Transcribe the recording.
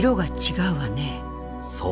そう。